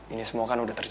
ini semua kan udah terjadi